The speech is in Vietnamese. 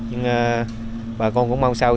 nhưng bà con cũng mong sau